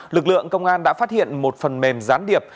lực lượng công an đã phát hiện một phần mềm gián điệp